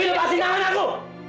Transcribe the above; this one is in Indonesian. dewi lepasin tangan aku